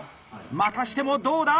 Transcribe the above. またしてもどうだ？